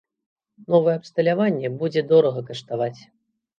Новае абсталяванне будзе дорага каштаваць.